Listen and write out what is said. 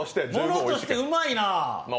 ものとしてうまいなぁ！